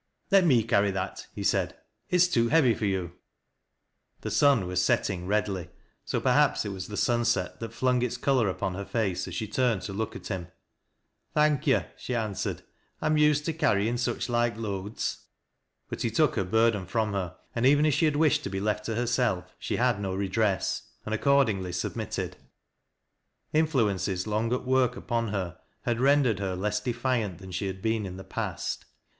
" Let me 'carry that," he said. " It is too heavy for you," The sun was setting redly, so perhaps it was the sun set that flung its color upon her face as she turned to loc>k it hira. "Thank yo'," she answered. ''I'm used to carry iu' luch loike loads." But he took her burden from her, and even if she liad Vished to be left to herself she had no redress, and accord Going home oneevening. Derrick found himself at a 108 THAT LASS a LOWBIE'S. ingly submitted. Influences long at work upon lier liad rendered her less defiant than she had been in the past.